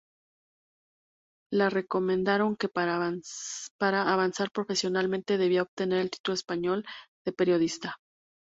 Le recomendaron que para avanzar profesionalmente debía obtener el título español de periodista.